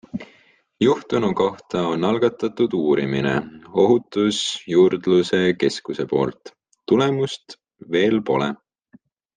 Juhtunu kohta on algatatud uurimine ohutusjuurdluse keskuse poolt, tulemust veel pole.